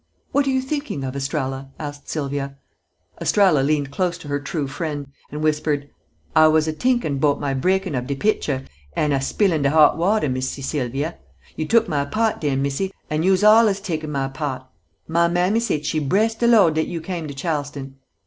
"What are you thinking of, Estralla?" asked Sylvia. Estralla leaned close to her "true fr'en'" and whispered: "I was a t'inkin' 'bout my breakin' of de pitcher, an' a spillin' de hot water, Missy Sylvia. You took my part den, Missy, an' you'se allers taken my part. My mammy say she bress de Lord dat you came to Charleston."